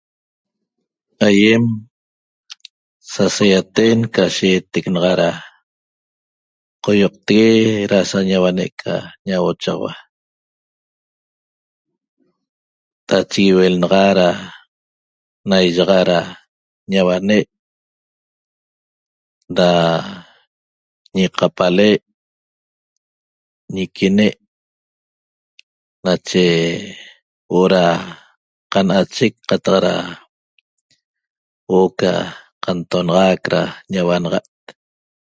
Aýem sasaýaten ca she'etec naxa da qoýoqtegue da sa ñauane' ca ñauochaxaua tachigui iuel naxa da na iyaxa da ñauane' da ñiqapale' ñiquine' nache huo'o da qan'achec qataq da huo'o ca qantonaxac da ñauanaxa't